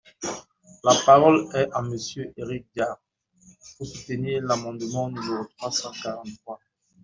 La parole est à Monsieur Éric Diard, pour soutenir l’amendement numéro trois cent quarante-trois.